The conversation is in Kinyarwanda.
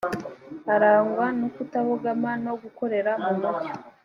arangwa n’ukutabogama no gukorera mu mucyo